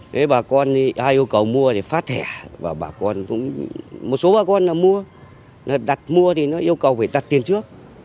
thế bà con ai yêu cầu mua thì phát thẻ và bà con cũng một số bà con mua đặt mua thì nó yêu cầu phải đặt tiền trước